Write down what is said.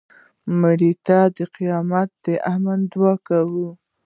مړه ته د قیامت د امن دعا کوو